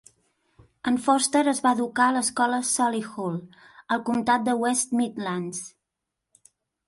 En Foster es va educar a l'escola Solihull, al comtat de West Midlands.